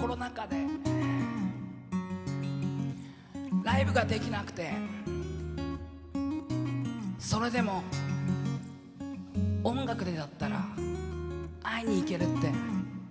コロナ禍でライブができなくてそれでも音楽でだったら会いに行けるって信じてた。